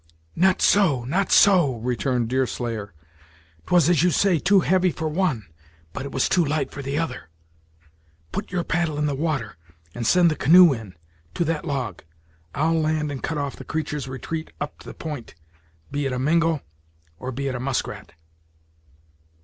"Not so not so," returned Deerslayer; "'t was, as you say, too heavy for one, but it was too light for the other. Put your paddle in the water, and send the canoe in, to that log; I'll land and cut off the creatur's retreat up the p'int, be it a Mingo, or be it a muskrat."